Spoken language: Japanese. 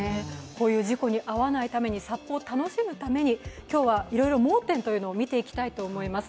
こういう事故に遭わないためにＳＵＰを楽しむために今日はいろいろ盲点を見ていきたいと思います。